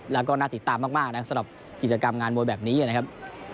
แล้วก็น่าติดตามมากนะครับสำหรับกิจกรรมงานมวยแบบนี้นะครับ